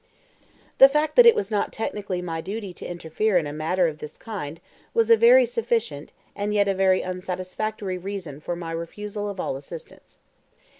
The fact that it was not technically my duty to interfere in a matter of this kind was a very sufficient, and yet a very unsatisfactory, reason for my refusal of all assistance.